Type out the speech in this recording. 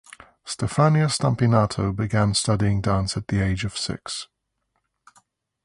Stefania Spampinato began studying dance at the age of six.